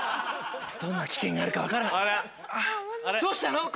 どんな危険があるか分からん。